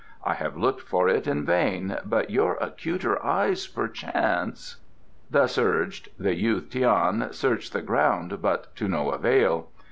I have looked for it in vain, but your acuter eyes, perchance " Thus urged, the youth Tian searched the ground, but to no avail.